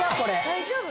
大丈夫？